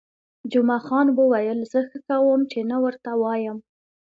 جمعه خان وویل: زه ښه کوم، چې نه ورته وایم.